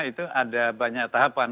itu ada banyak tahapan